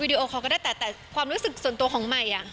วิดีโอคอลก็ได้แต่ความรู้สึกส่วนตัวของมัย